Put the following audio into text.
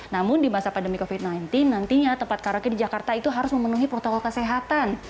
namun di masa pandemi covid sembilan belas nantinya tempat karaoke di jakarta itu harus memenuhi protokol kesehatan